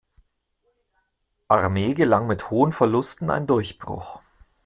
Armee gelang mit hohen Verlusten ein Durchbruch.